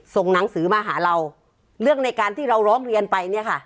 ส่งหนังสือมาหาเราเรื่องในการที่เราร้องเรียนไปเนี่ยค่ะ